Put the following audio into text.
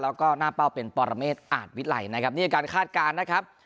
แล้วก็หน้าเป้าเป็นปอละเมสอ่าดวิไลนี้ก็คาดการณ์นะครับ